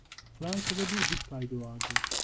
Fransa'da bir hit kaydı vardı.